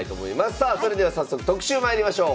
さあそれでは早速特集まいりましょう。